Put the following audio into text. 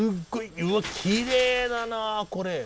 うわっきれいだなあこれ。